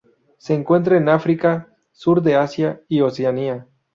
Se encuentra en África, Sur de Asia y Oceanía.